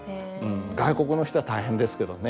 外国の人は大変ですけどね。